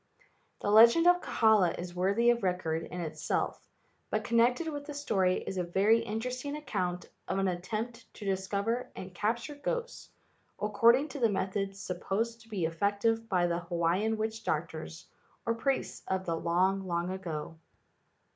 The legend of Kahala is worthy of record in it¬ self, but connected with the story is a very inter¬ esting account of an attempt to discover and capture ghosts according to the methods sup¬ posed to be effective by the Hawaiian witch doctors or priests of the long, long ago.